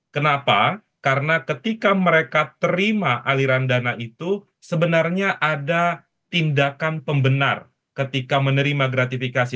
kenapa karena ketika mereka terima aliran dana itu sebenarnya ada tindakan pembenar ketika menerima gratifikasi